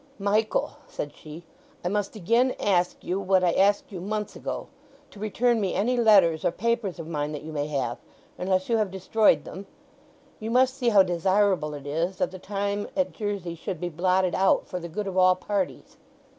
"Michael," said she, "I must again ask you what I asked you months ago—to return me any letters or papers of mine that you may have—unless you have destroyed them? You must see how desirable it is that the time at Jersey should be blotted out, for the good of all parties."